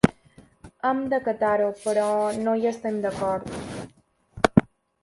Hem d’acatar-ho però no hi estem d’acord.